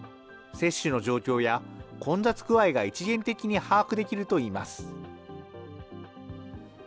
接種の状況や混雑具合が一元的に把握できるといいます。